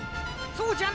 そうじゃな。